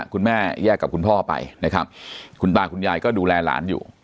คุณแม่แยกกับคุณพ่อไปคุณป้าคุณยายก็ดูแลหลานดู